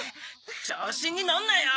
調子にのんなよ！